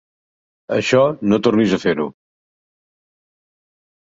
Això, no tornis a fer-ho.